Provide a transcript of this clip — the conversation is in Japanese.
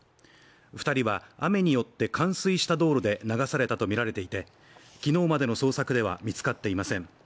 ２人は雨によって冠水した道路で流されたとみられていて、昨日までの捜索では見つかっていません。